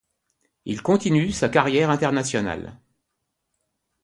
Il continue sa carrière internationale.